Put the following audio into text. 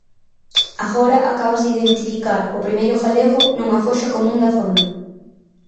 Agora acábase de identificar o primeiro galego nunha foxa común da zona.